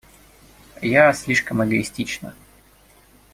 Я слишком эгоистична.